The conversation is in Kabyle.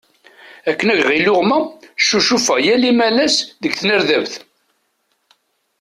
Akken ad geɣ iluɣma, ccucufeɣ yal imalas deg tnerdabt.